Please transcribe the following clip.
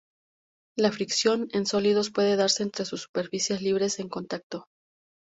La fricción en sólidos puede darse entre sus superficies libres en contacto.